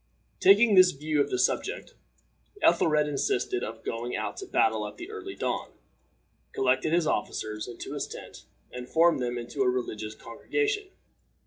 Taking this view of the subject, Ethelred, instead of going out to battle at the early dawn, collected his officers into his tent, and formed them into a religious congregation.